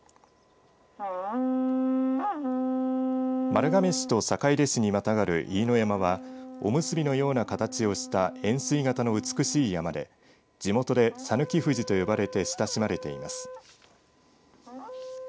丸亀市と坂出市にまたがる飯野山はおむすびのような形をした円すい型の美しい山で地元で讃岐富士と呼ばれて親しまれています。